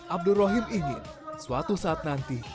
abdul rohim ingin suatu saat nanti